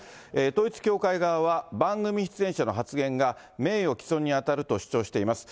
統一教会側は、番組出演者の発言が名誉毀損に当たると主張しています。